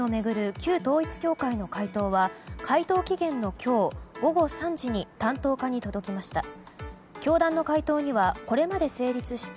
旧統一教会の回答は回答期限の今日午後３時に担当課に届きました。